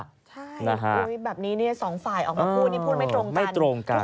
ใช่แบบนี้สองฝ่ายออกมาพูดนี่พูดไม่ตรงกันตรงกัน